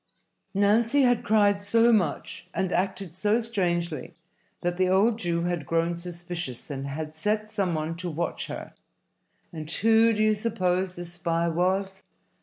Nancy had cried so much and acted so strangely that the old Jew had grown suspicious and had set some one to watch her. And who do you suppose this spy was?